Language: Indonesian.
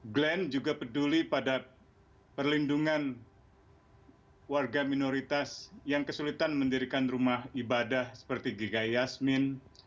glenn juga peduli pada perlindungan warga minoritas yang kesulitan mendirikan rumah ibadah seperti giga yasmin